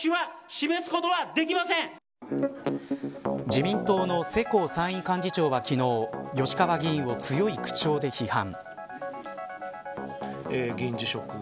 自民党の世耕参院幹事長は昨日吉川議員を強い口調で批判。